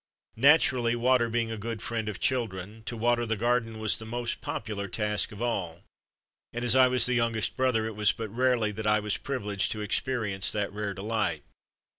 Naturally, water being a good friend of children, to water the garden was the most popular task of all, and as I was the youngest brother it was but rarely that I was privileged to experi ence that rare delight.